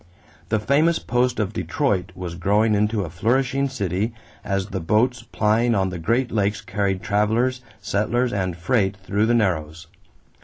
The famous post of Detroit was growing into a flourishing city as the boats plying on the Great Lakes carried travelers, settlers, and freight through the narrows.